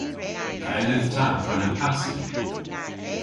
A yllydh ta prena pasti?